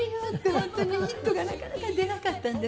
本当にヒットがなかなか出なかったんです。